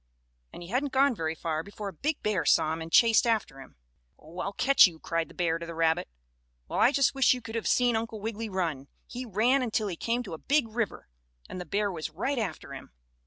And he hadn't gone very far before a big bear saw him and chased after him. "Oh, I'll catch you!" cried the bear to the rabbit. Well, I just wish you could have seen Uncle Wiggily run! He ran until he came to a big river, and the bear was right after him.